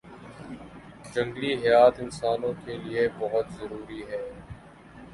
جنگلی حیات انسانوں کے لیئے بہت ضروری ہیں